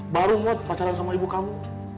baru mut pacaran sama ibu kamu